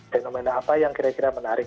fenomena apa yang kira kira menarik